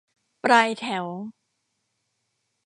ปลายแถว